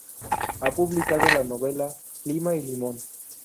Ha publicado la novela "Lima y limón".